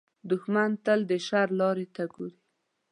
دښمن تل د شر لارې ته ګوري